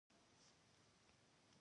زموږ کور د هغوې له کور څخه لوي ده.